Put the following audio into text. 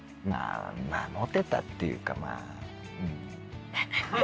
まぁモテたっていうかうん。